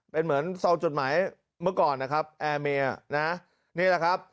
เป็นเหมือนซองจดหมายเมื่อก่อนนะครับแอร์เมนะนี่แหละครับ